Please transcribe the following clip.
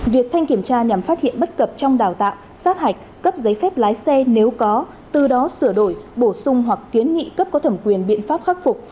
việc thanh kiểm tra nhằm phát hiện bất cập trong đào tạo sát hạch cấp giấy phép lái xe nếu có từ đó sửa đổi bổ sung hoặc kiến nghị cấp có thẩm quyền biện pháp khắc phục